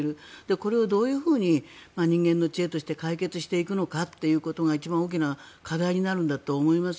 これをどう人間の知恵として解決していくかが一番大きな課題になるんだと思います。